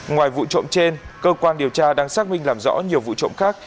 ngoài vụ trộm trên cơ quan điều tra đang xác minh làm rõ nhiều vụ trộm khác